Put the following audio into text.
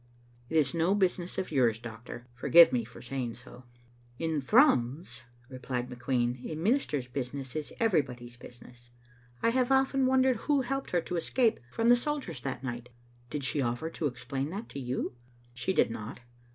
" It is no business of yours, doctor. Forgive me for saying so." "In Thrums," replied McQueen, "a minister's busi ness is everybody's business. I have often wondered who helped her to escape from the soldiers that night. Did she offer to explain that to you?" "She did not."